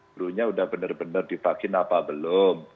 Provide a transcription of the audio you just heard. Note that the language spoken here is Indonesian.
brunya udah bener bener dipakin apa belum